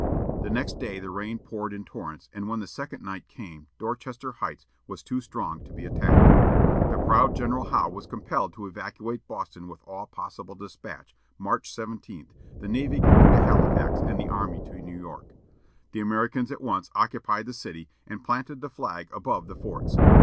The next day the rain poured in torrents, and when the second night came Dorchester Heights were too strong to be attacked. The proud General Howe was compelled to evacuate Boston with all possible dispatch, March 17, the navy going to Halifax and the army to New York. The Americans at once occupied the city, and planted the flag above the forts.